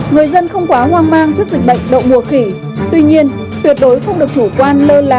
người dân không quá hoang mang trước dịch bệnh đậu mùa khỉ tuy nhiên tuyệt đối không được chủ quan lơ là